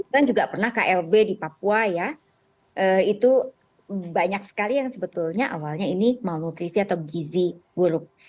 kan juga pernah klb di papua ya itu banyak sekali yang sebetulnya awalnya ini malnutrisi atau gizi buruk